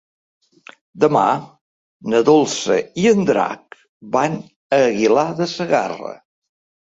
Demà na Dolça i en Drac van a Aguilar de Segarra.